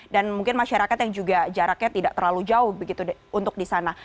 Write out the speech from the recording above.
dan mungkin masyarakat yang jaraknya juga tidak terlalu jauh untuk di sana